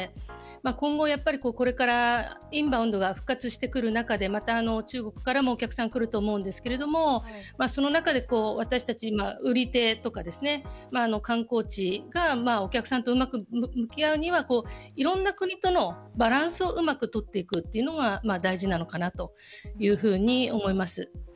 今後これからインバウンドが復活してくる中で中国からもお客さんが来ると思うんですけどその中で、私たち売り手とか観光地がお客さんとうまく向き合うにはいろんな国とのバランスをうまく取っていくというのが大事なのかなというふうに思います。